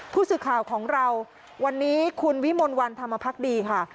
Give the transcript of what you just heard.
ผู้สื่อข่าวของเราวันนี้คุณวิมลวันธรรมพักดีค่ะ